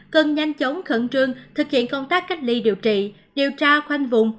cần nhanh chóng khẩn trương thực hiện công tác cách ly điều trị điều tra khoanh vùng